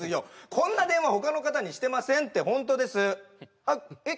こんな電話他の方にしてませんってホントですあっえっ